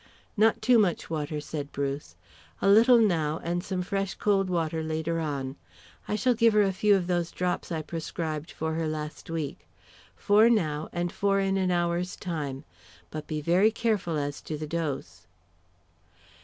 "Not too much water," said Bruce. "A little now, and some fresh cold water later on. I shall give her a few of those drops I prescribed for her last week. Four now, and four in an hour's time. But be very careful as to the dose."